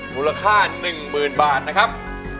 มูลค่าหนึ่งหมื่นบาทนะครับ